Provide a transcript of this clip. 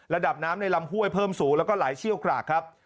ระดับน้ำในลำห้วยเพิ่มสูงแล้วก็ไหลเชี่ยวกรากครับ